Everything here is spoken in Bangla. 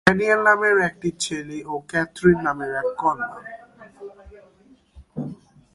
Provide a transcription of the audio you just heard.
ড্যানিয়েল নামের একটি ছেলে, ও ক্যাথরিন নামের এক কন্যা।